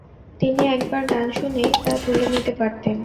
তিনি একবার গান শুনেই তা তুলে নিতে পারতেন।